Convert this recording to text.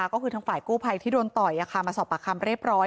ก็คือทางฝ่ายกู้ภัยที่โดนต่อยมาสอบปากคำเรียบร้อย